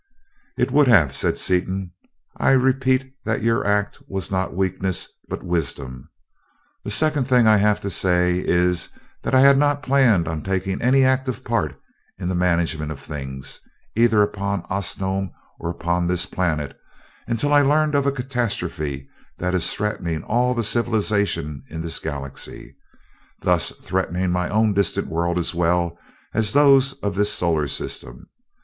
"It would have," said Seaton. "I repeat that your act was not weakness, but wisdom. The second thing I have to say is that I had not planned on taking any active part in the management of things, either upon Osnome or upon this planet, until I learned of a catastrophe that is threatening all the civilization in this Galaxy thus threatening my own distant world as well as those of this solar system.